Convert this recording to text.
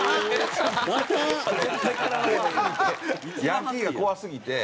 ヤンキーが怖すぎて。